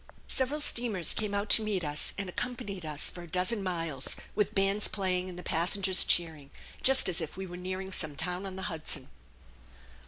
Several steamers came out to meet us, and accompanied us for a dozen miles, with bands playing and the passengers cheering, just as if we were nearing some town on the Hudson.